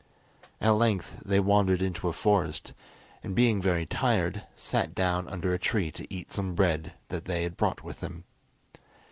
At length they wandered into a forest, and being very tired, sat down under a tree to eat some bread that they had brought with them.